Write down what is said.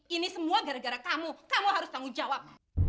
ini semua gara gara kamu kamu harus tanggung jawab